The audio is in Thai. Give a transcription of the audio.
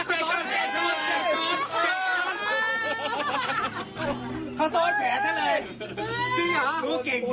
แก่แก่งงี้นะครับแก้แก้ขอโทษแผนให้เลย